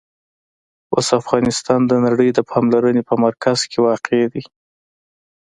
اوس افغانستان د نړۍ د پاملرنې په مرکز کې واقع دی.